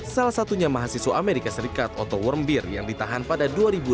salah satunya mahasiswa amerika serikat oto warmbiar yang ditahan pada dua ribu enam belas